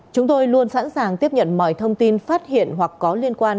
chúng tôi luôn sẵn sàng tiếp nhận mọi thông tin phát hiện hoặc có liên quan